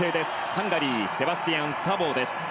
ハンガリーセバスティアン・サボーです。